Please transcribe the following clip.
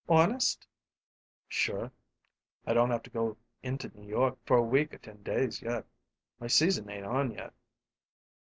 "Honest?" "Sure. I don't have to go in to New York for a week or ten days yet. My season ain't on yet."